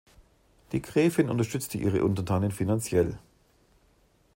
Die Gräfin unterstützte ihre Untertanen finanziell.